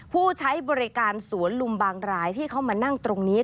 ผู้ใช้บริการสวนลุมบางรายที่เขามานั่งตรงนี้